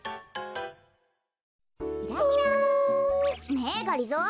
ねえがりぞー